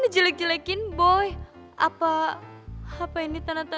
coba lempar pake batu